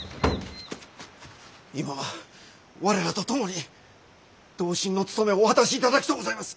今は我らとともに同心の勤めをお果たしいただきとうございます！